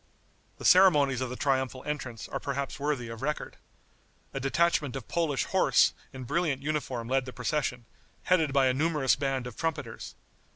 The ceremonies of the triumphal entrance are perhaps worthy of record. A detachment of Polish horse in brilliant uniform led the procession, headed by a numerous band of trumpeters.